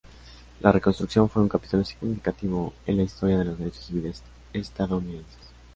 La reconstrucción fue un capítulo significativo en la historia de los derechos civiles estadounidenses.